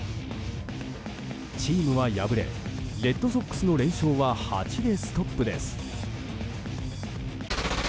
チームは敗れレッドソックスの連勝は８でストップです。